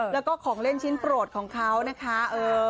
แล้วก็ของเล่นชิ้นโปรดของเขานะคะ